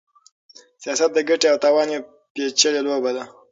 سياست د ګټې او تاوان يوه پېچلې لوبه ده.